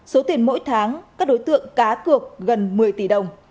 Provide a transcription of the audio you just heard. số tiền mỗi tháng các đối tượng cá cược gần một mươi tỷ đồng